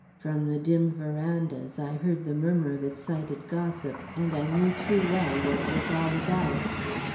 From the dim verandas, I heard the murmur of excited gossip and I knew too well what it was all about.